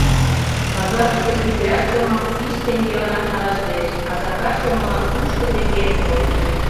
Пазарыште изирак чомам вич теҥгеланат налаш лиеш, а Сакар чомалан лучко теҥгем пуэн.